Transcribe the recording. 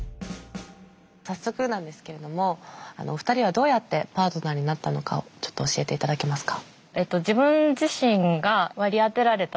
早速なんですけれどもお二人はどうやってパートナーになったのかをちょっと教えていただけますか？